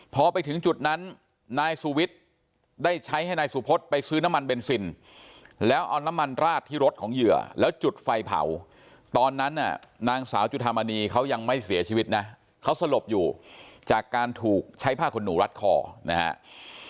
พอไปถึงจุดนั้นนายสุวิทย์ได้ใช้ให้นายสุพศไปซื้อน้ำมันเบนซินแล้วเอาน้ำมันราดที่รถของเหยื่อแล้วจุดไฟเผาตอนนั้นน่ะนางสาวจุธามณีเขายังไม่เสียชีวิตนะเขาสลบอยู่จากการถูกใช้ผ้าขนหนูรัดคอนะฮะ